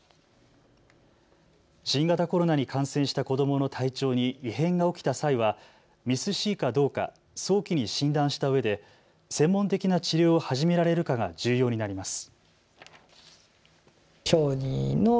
新型コロナに感染した子どもの体調に異変が起きた際はＭＩＳ−Ｃかどうか早期に診断したうえで専門的な治療を始められるかが重要になります。